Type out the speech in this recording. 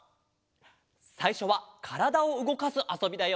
さいしょはからだをうごかすあそびだよ。